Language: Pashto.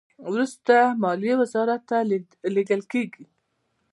وروسته مالیې وزارت ته لیږل کیږي.